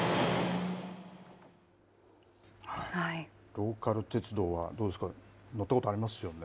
ローカル鉄道はどうですか乗ったことありますよね。